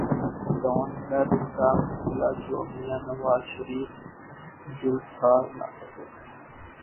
Dawn leaks کا مسئلہ جو میاں نواز شریف سلجھا نہ سکے۔